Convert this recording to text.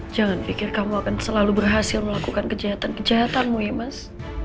jangan pikir kamu akan selalu berhasil melakukan kejahatan kejahatanmu ya mas